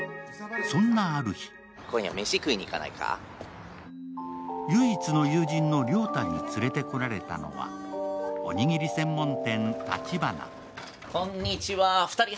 そんなある日唯一の有人の亮太に連れてこられたのはおにぎり専門店たちばな。